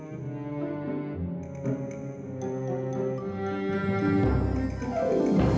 aku benci sama kamu